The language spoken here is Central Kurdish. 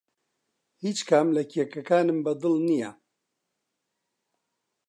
هیچ کام لە کێکەکانم بەدڵ نییە.